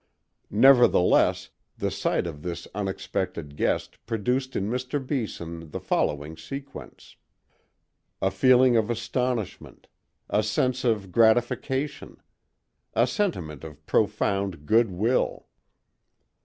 Nevertheless, the sight of this unexpected guest produced in Mr. Beeson the following sequence: a feeling of astonishment; a sense of gratification; a sentiment of profound good will.